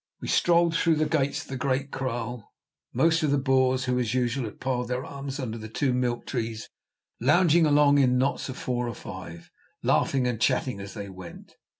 We strolled through the gates of the Great Kraal, most of the Boers, who, as usual, had piled their arms under the two milk trees, lounging along in knots of four or five, laughing and chatting as they went.